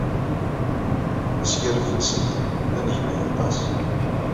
Asgalef-nsent d anegmay aṭas.